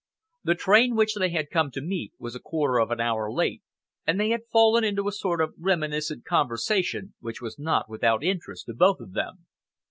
The train which they had come to meet was a quarter of an hour late, and they had fallen into a sort of reminiscent conversation which was not without interest to both of them.